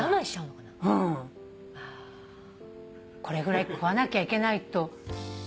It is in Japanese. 「これぐらい食わなきゃいけない」と。